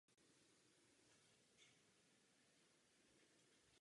Jeho úkolem byla zpravodajská činnost ve Vídni.